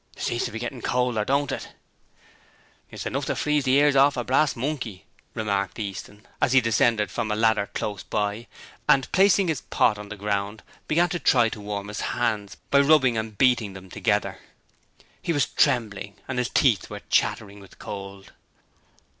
'Seems to be gettin' colder, don't it?' 'It's enough to freeze the ears orf a brass monkey!' remarked Easton as he descended from a ladder close by and, placing his pot of paint on the pound, began to try to warm his hands by rubbing and beating them together. He was trembling, and his teeth were chattering with cold.